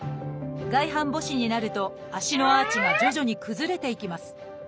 外反母趾になると足のアーチが徐々に崩れていきます。